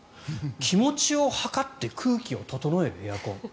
気持ちを測って空気を整えるエアコン。